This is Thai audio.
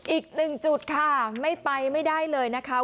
อีกหนึ่งจุดค่ะไม่ไปไม่ได้เลยนะคะ